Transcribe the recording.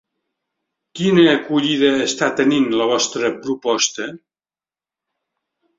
Quina acollida està tenint la vostra proposta?